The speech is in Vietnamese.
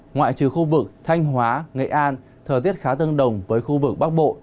ngoại trừ khu vực thanh hóa nghệ an thời tiết khá tương đồng với khu vực bắc bộ